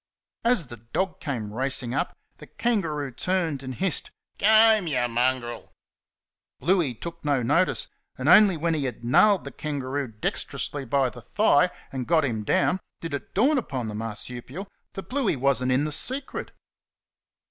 As the dog came racing up, the kangaroo turned and hissed, "G' home, y' mongrel!" Bluey took no notice, and only when he had nailed the kangaroo dextrously by the thigh and got him down did it dawn upon the marsupial that Bluey was n't in the secret.